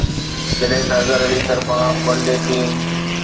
جڏهن ته اظهر علي طرفان ون ڊي ٽيم